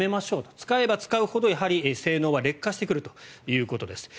使えば使うほど性能は劣化してくるということです。